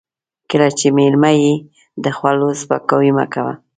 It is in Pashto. کله چې مېلمه يې د خوړو سپکاوی مه کوه.